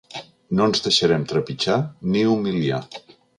No ens deixarem trepitjar ni humiliar.